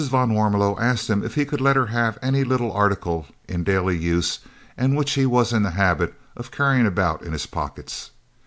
van Warmelo asked him if he could let her have any little article in daily use and which he was in the habit of carrying about in his pockets.